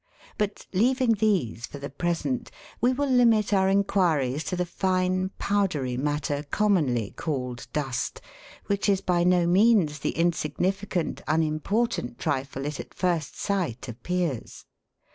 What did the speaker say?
But, leaving these for the present, we will limit our inquiries to the fine powdery matter, commonly called dust, which is by no means the insignificant, unimportant trifle it at first sight appears.